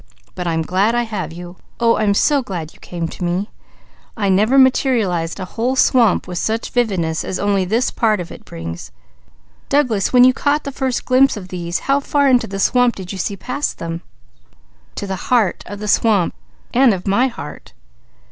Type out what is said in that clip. But I'm glad I have you! Oh I'm so glad you came to me! I never materialized a whole swamp with such vividness as only this little part of it brings. Douglas, when you caught the first glimpse of these, how far into the swamp did you see past them?" "To the heart of the swamp and of my heart."